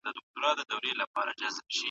خو علمي ارزښت لري.